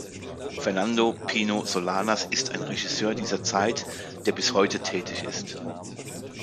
Fernando "Pino" Solanas ist ein Regisseur dieser Zeit, der bis heute tätig ist.